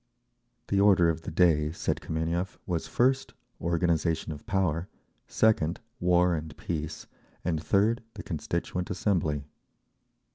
The order of the day, said Kameniev, was first, Organisation of Power; second, War and Peace; and third, the Constituent Assembly.